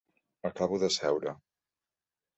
Acabo de seure.